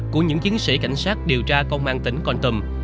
của những chiến sĩ cảnh sát điều tra công an tỉnh văn tùm